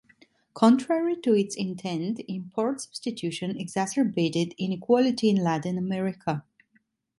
Contrary to its intent, import substitution exacerbated inequality in Latin America.